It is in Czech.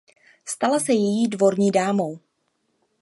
Stala se její dvorní dámou.